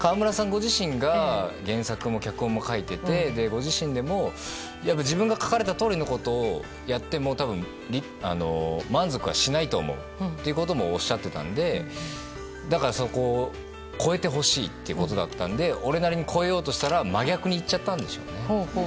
ご自身が原作も脚本も書いててご自身でも自分が書かれたとおりのことをやっても満足はしないと思うということもおっしゃっていたのでだから、そこを超えてほしいということだったので俺なりに超えようとしたら真逆にいっちゃったんでしょうね。